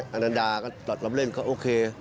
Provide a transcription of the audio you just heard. อันดาตอบรับเล่นเขาโอเค